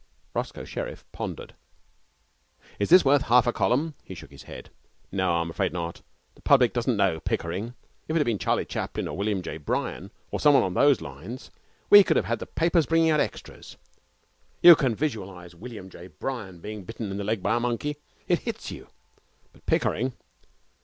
Roscoe Sherriff pondered. 'Is this worth half a column?' He shook his head. 'No, I'm afraid not. The public doesn't know Pickering. If it had been Charlie Chaplin or William J. Bryan, or someone on those lines, we could have had the papers bringing out extras. You can visualize William J. Bryan being bitten in the leg by a monkey. It hits you. But Pickering!